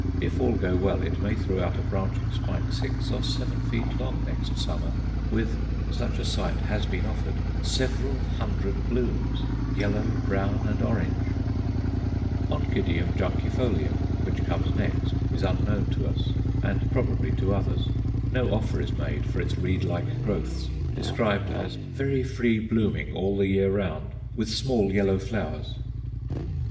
If all go well, it may throw out a branching spike six or seven feet long next summer, with such a sight has been offered several hundred blooms, yellow, brown and orange, Oncidium juncifolium, which comes next, is unknown to us, and probably to others; no offer is made for its reed like growths described as "very free blooming all the year round, with small yellow flowers."